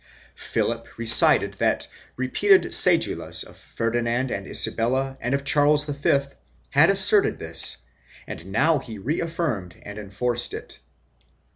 Philip recited that repeated cedulas of Ferdinand and Isabella and of Charles V had asserted this and now he reaffirmed and enforced it.